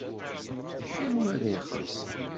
D kenwi ara ixellṣen?